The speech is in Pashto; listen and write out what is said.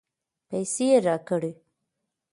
پیسې راکړې.